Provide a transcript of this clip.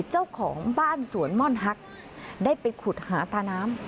เจ้าของบ้านสวนม่อนฮักได้ไปขุดหาตาน้ำ